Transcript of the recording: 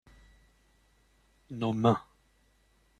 Nos mains.